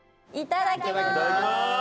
いただきます。